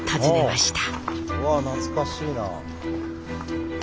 うわ懐かしいな。